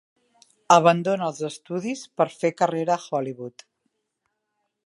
Abandona els estudis per fer carrera a Hollywood.